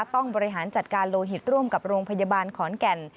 ต้องบริหารจัดการโลหิตร่วมกับโรงพยาบาลขอนแก่น